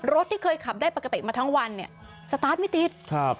ที่เคยขับได้ปกติมาทั้งวันเนี่ยสตาร์ทไม่ติดครับ